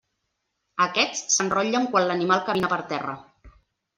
Aquests s'enrotllen quan l'animal camina per terra.